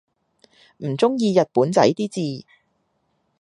唔中意日本仔啲字